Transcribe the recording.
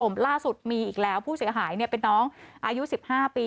ผมล่าสุดมีอีกแล้วผู้เสียหายเนี่ยเป็นน้องอายุ๑๕ปี